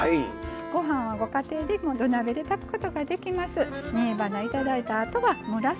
ご飯はご家庭でも土鍋で炊くことができます。